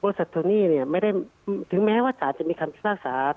บริษัททวงหนี้เนี้ยไม่ได้ถึงแม้ว่าศาสตร์จะมีคำสนักศาสตร์